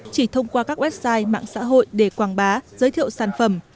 chỉ thông qua các website mạng xã hội để quảng bá giới thiệu sản phẩm